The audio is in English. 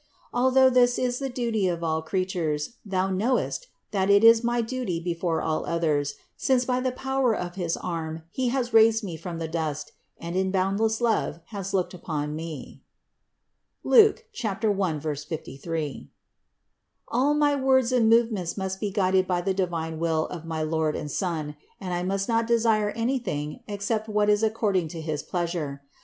Although this is the duty of all creatures, thou knowest, that it is my duty before all others, since by the power of his arm He has raised me from the dust and in boundless love has looked upon me (Luke 1, 53). All my words and move ments must be guided by the divine will of my Lord and Son and I must not desire anything except what is ac cording to his pleasure.